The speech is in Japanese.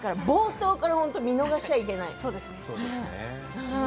冒頭から本当に見逃しちゃいけない。